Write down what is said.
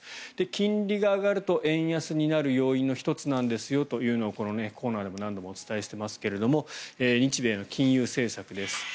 金利が上がると円安になる要因の１つなんですよというのをこのコーナーでも何度もお伝えしていますが日米の金融政策です。